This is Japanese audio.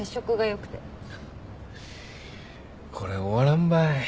これ終わらんばい。